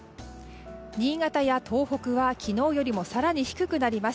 新潟や東北は昨日よりも更に低くなります。